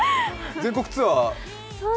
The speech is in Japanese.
全国ツアー、ね。